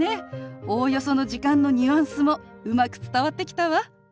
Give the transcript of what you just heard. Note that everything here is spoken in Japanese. おおよその時間のニュアンスもうまく伝わってきたわ。